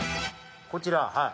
こちら。